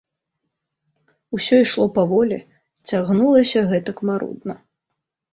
Усё ішло паволі, цягнулася гэтак марудна!